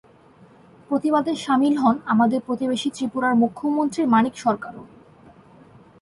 প্রতিবাদে শামিল হন আমাদের প্রতিবেশী ত্রিপুরার মুখ্যমন্ত্রী মানিক সরকারও।